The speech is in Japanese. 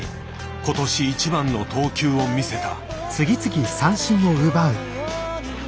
今年一番の投球を見せた。